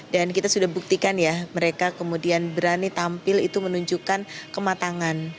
dan kita sudah buktikan ya mereka kemudian berani tampil itu menunjukkan kematangan